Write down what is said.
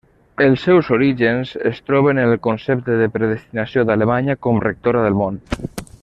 Els seus orígens es troben en el concepte de predestinació d'Alemanya com rectora del món.